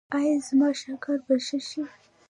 ایا زما شکر به ښه شي؟